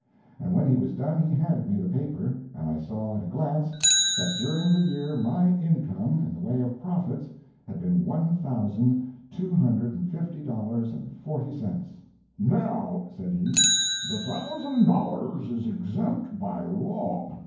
And when he was done he handed me the paper, and I saw at a glance that during the year my income, in the way of profits, had been one thousand two hundred and fifty dollars and forty cents. "Now," said he, "the thousand dollars is exempt by law.